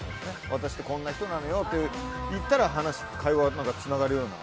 私ってこんな人なのよって言ったら会話がつながるような。